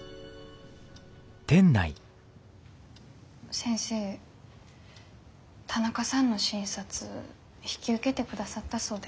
先生田中さんの診察引き受けてくださったそうですね。